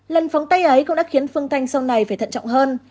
lần phóng tay ấy cũng đã khiến phương thành sau này phải thận trọng hơn